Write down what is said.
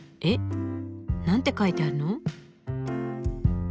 何て書いてあるの？